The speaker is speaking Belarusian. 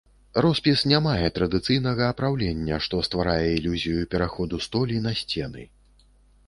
Роспіс не мае традыцыйнага апраўлення, што стварае ілюзію пераходу столі на сцены.